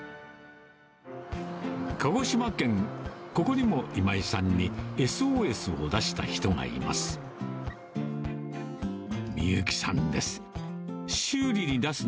鹿児島県、ここにも今井さんにＳＯＳを出した人がいます。